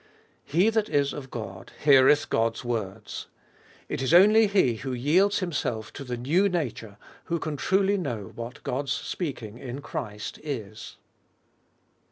" He that is of God heareth God's words." It is only he who yields himself to the new nature who can truly know what God's speaking in Christ is.